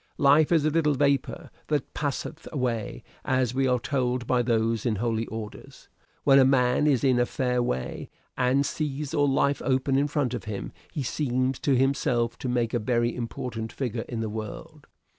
Life is a little vapor that passeth away, as we are told by those in holy orders. When a man is in a fair way and sees all life open in front of him, he seems to himself to make a very important figure in the world.